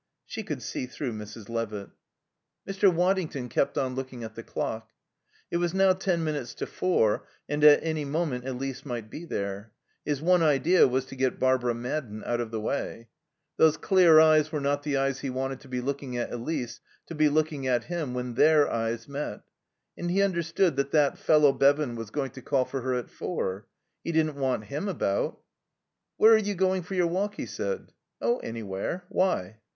She could see through Mrs. Levitt. Mr. Waddington kept on looking at the clock. It was now ten minutes to four, and at any moment Elise might be there. His one idea was to get Barbara Madden out of the way. Those clear eyes were not the eyes he wanted to be looking at Elise, to be looking at him when their eyes met. And he understood that that fellow Bevan was going to call for her at four. He didn't want him about. "Where are you going for your walk?" he said. "Oh, anywhere. Why?"